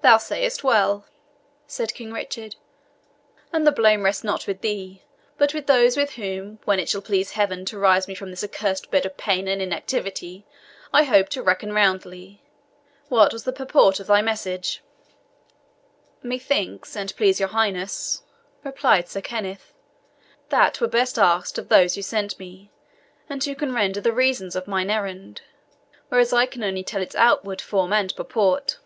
"Thou sayest well," said King Richard; "and the blame rests not with thee, but with those with whom, when it shall please Heaven to raise me from this accursed bed of pain and inactivity, I hope to reckon roundly. What was the purport of thy message?" "Methinks, and please your highness," replied Sir Kenneth, "that were best asked of those who sent me, and who can render the reasons of mine errand; whereas I can only tell its outward form and purport."